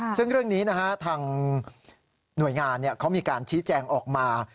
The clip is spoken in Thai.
ซึ่งเรื่องนี้ทางหน่วยงานเขามีการชี้แจงออกมา